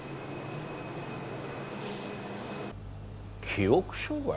記憶障害？